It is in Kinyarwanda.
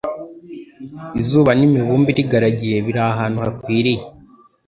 izuba n'imibumbe irigaragiye biri ahantu hakwiriye